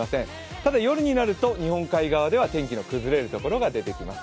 ただ、夜になると日本海側では天気の崩れるところが出てきます。